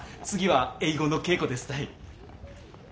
次は英語の稽古ですたい。